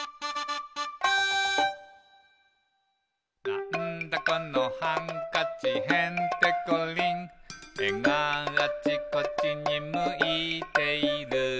「なんだこのハンカチへんてこりん」「えがあちこちにむいている」